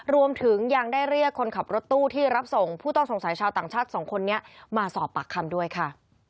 รวมถึงยังได้เรียกคนขับรถตู้ที่รับส่งผู้ต้องสงสัยชาวต่างชาติสองคนนี้มาสอบปากคำด้วยค่ะ